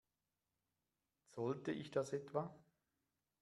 Sollte ich das etwa?